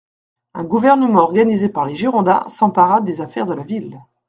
Un gouvernement organisé par les Girondins s'empara des affaires de la ville.